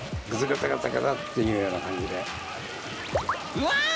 うわ！